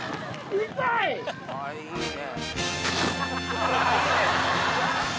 あぁいいね！